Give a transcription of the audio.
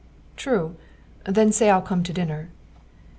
"True! Then say I'll come to dinner."